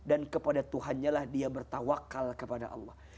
dan kepada tuhan nya lah dia bertawakal kepada allah